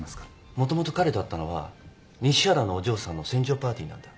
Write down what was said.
もともと彼と会ったのは西原のお嬢さんの船上パーティーなんだ。